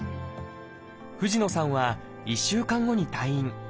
藤野さんは１週間後に退院。